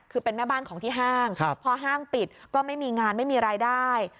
คือเป็นแม่บ้านของที่ห้างพอห้างปิดก็ไม่มีงานไม่มีรายได้